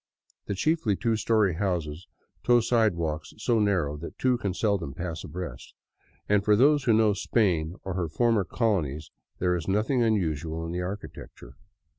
The chiefly two story houses toe sidewalks so narrow that two can seldom pass abreast, and for those who know Spain or her former colonies there is nothing unusual in the architecture.